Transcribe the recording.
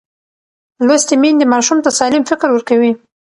لوستې میندې ماشوم ته سالم فکر ورکوي.